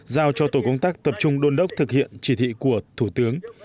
giao cho tổ công tác tập trung đôn đốc thực hiện chỉ thị của thủ tướng